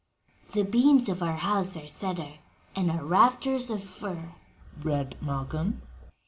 "'The beams of our house are cedar, and our rafters of fir,'" read Malcolm.